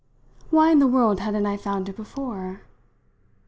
Why in the world hadn't I found it before?